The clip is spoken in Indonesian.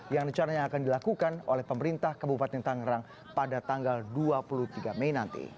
yang rencananya akan dilakukan oleh pemerintah kabupaten tangerang pada tanggal dua puluh tiga mei nanti